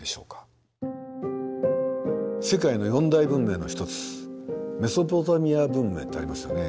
世界の４大文明の一つメソポタミア文明ってありますよね。